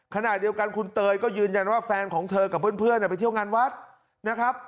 ขณะเดียวกันคุณเตยก็ยืนยันว่าแฟนของเธอกับเพื่อนไปเที่ยวงานวัดนะครับ